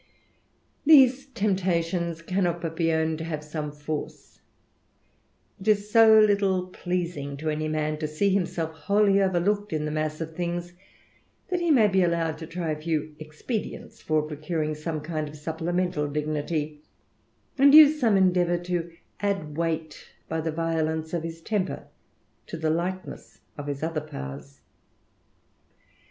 These temptations cannot but be owned to have som ^* force. It is so little pleasing to any man to see himse^V^ wholly overlooked in the mass of things, that he may \>^* allowed to try a few expedients for procuring some kind supplemental dignity, and use some endeavour to ad< weight, by the violence of his temper, to the lightness of other powers.